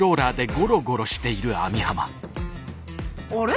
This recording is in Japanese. あれ？